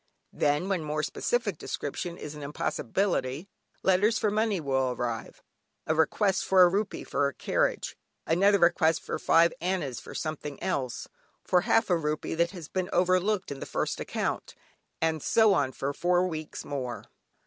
Then, when more specific description is an impossibility, letters for money will arrive; a request for a rupee for carriage, another request for five annas for something else, for half a rupee that has been overlooked in the first account, and so on for four weeks more.